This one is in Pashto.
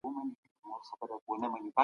ساينس پوهان به سبا په لابراتوار کي څېړنې کوي.